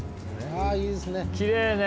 ああいいですね。